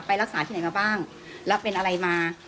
รักษาที่ไหนมาบ้างแล้วเป็นอะไรมา